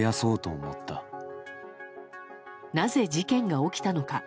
なぜ、事件が起きたのか。